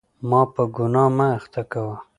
ما په ګناه مه اخته کوه.